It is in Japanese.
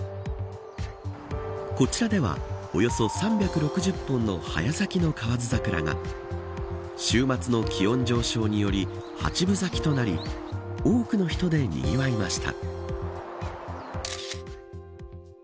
こちらでは、およそ３６０本の早咲きの河津桜が週末の気温上昇により八分咲きとなり多くの人でにぎわいました。